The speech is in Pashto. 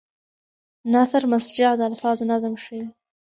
نثر مسجع د الفاظو نظم ښيي.